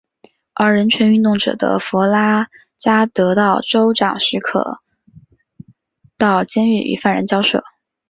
而人权运动者的弗拉加得到州长许可到监狱与犯人交涉。